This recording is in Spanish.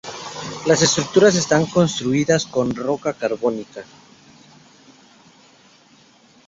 Las estructuras están construidas con roca carbónica.